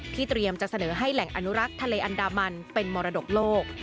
เตรียมจะเสนอให้แหล่งอนุรักษ์ทะเลอันดามันเป็นมรดกโลก